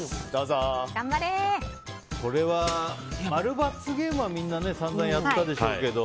これは○×ゲームはみんな散々やったでしょうけど。